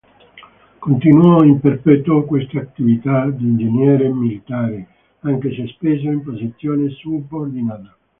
Continuò in perpetuo questa attività di ingegnere militare, anche se spesso in posizione subordinata.